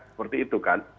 seperti itu kan